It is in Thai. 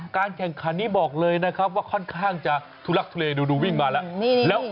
การแข่งขันนี้บอกเลยนะครับว่าค่อนข้างจะทุลักทุเลดูวิ่งมาแล้ว